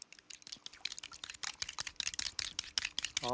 あ。